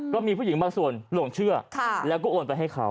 ก็มีผู้หญิงบางส่วนหลงเชื่อแล้วก็โอนไปให้เขา